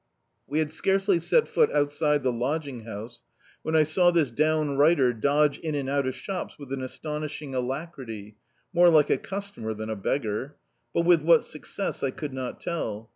We had scarcely set foot outside the lodging house, when I saw this down righter dodge in and out of shops with an astonish ing alacrity, more like a customer than a beggar; but with what success I could not tell.